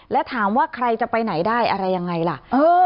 แล้วถามว่าใครจะไปไหนได้อะไรยังไงล่ะ